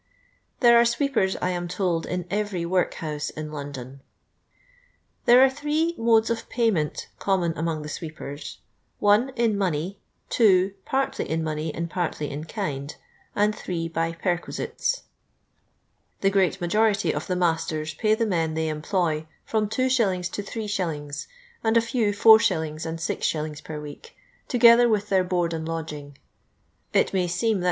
There are sweepers, I am told, in every workhouse in London. There are three mviUs of painfiient common among the swee|>ers :— 1, in money; 2, partly in money and partly in kind ; and 3, by perquisites. The great nmjirity of the masters pay the men they employ from 25. to 3t., and a few 4s. and Qs, per week, together with their board and lodging. It may seem that 3s.